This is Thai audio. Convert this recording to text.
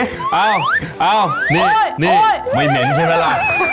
เอ้านี่ไม่เหม็นใช่มั้ยล่ะ